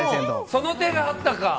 その手があったか！